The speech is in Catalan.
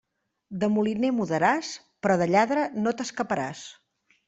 De moliner mudaràs, però de lladre no t'escaparàs.